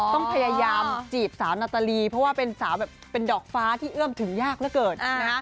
ต้องพยายามจีบสาวนาตาลีเพราะว่าเป็นสาวแบบเป็นดอกฟ้าที่เอื้อมถึงยากเหลือเกิน